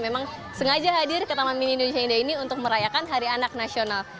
memang sengaja hadir ke taman mini indonesia indah ini untuk merayakan hari anak nasional